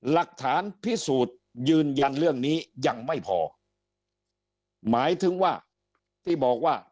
หลักฐานพิสูจน์ยืนยันเรื่องนี้ยังไม่พอหมายถึงว่าที่บอกว่า